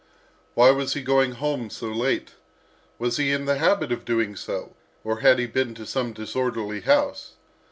Why was he going home so late? Was he in the habit of doing so, or had he been to some disorderly house?